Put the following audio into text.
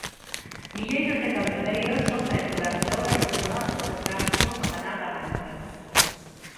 Milleiros de camioneiros sofren durante horas os colapsos de tráfico no Canal da Mancha.